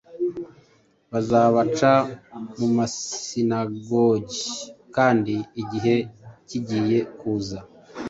Bazabaca mu masinagogi, kandi igihe kigiye kuza,